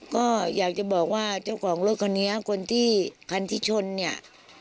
ก็อยากจะบอกว่าเจ้าของรถคันนี้คนที่คันที่ชนเนี่ย